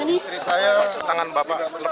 ini istri saya tidak bersalah